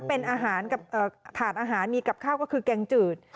เป็นอาหารกับถาดอาหารมีกับข้าวก็คือแกงจืด